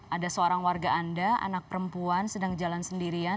ada seorang warga anda anak perempuan sedang jalan sendirian